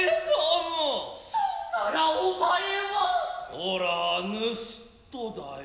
おらァ盗人だよ。